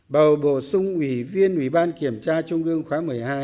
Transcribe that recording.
bầu bổ sung ủy viên ủy ban kiểm tra trung ương khóa một mươi hai